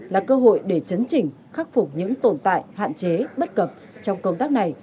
là cơ hội để chấn chỉnh khắc phục những tồn tại hạn chế bất cập trong công tác này